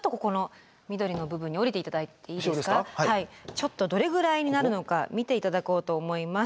ちょっとどれぐらいになるのか見て頂こうと思います。